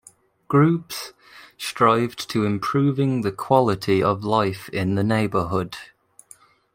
Groups, strived to improving the quality of life in the neighborhood.